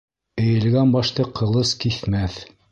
Эйелгән башты ҡылыс киҫмәҫ.